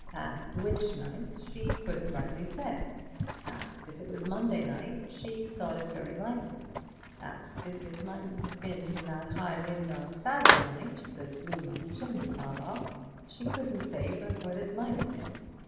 Asked which night, she couldn't rightly say. Asked if it was Monday night, she thought it very likely. Asked if it mightn't have been in that high wind on Saturday night that blew my chimney pot off, she couldn't say but what it might have been.